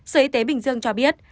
sở y tế bình dương cho biết